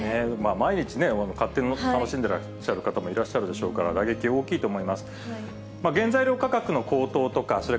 毎日ね、買って楽しんでらっしゃる方もいらっしゃるでしょうから、打撃大きいと思います。